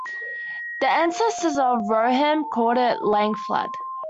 The ancestors of the Rohirrim called it Langflood.